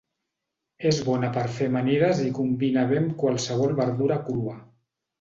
És bona per fer amanides i combina bé amb qualsevol verdura crua.